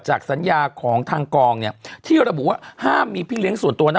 จากสัญญาของทางกองที่เราบอกว่าห้ามมีพิเล็งส่วนตัวนะ